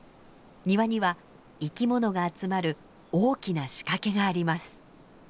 庭には生き物が集まる大きな仕掛けがあります。